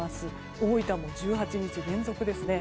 大分も１８日連続です。